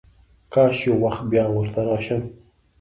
کاش یو وخت بیا ورته راشم.